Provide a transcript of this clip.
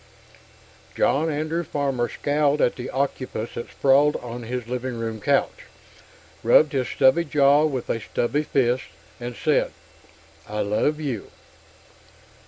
|++ John Andrew Farmer scowled at the octopus that sprawled on his living room couch, rubbed his stubbly jaw with a stubby fist, and said, "I love you."